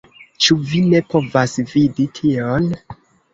Ĉu vi ne povas vidi tion?!